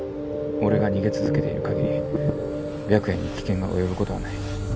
俺が逃げ続けている限り白夜に危険が及ぶことはない。